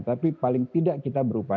tapi paling tidak kita berupaya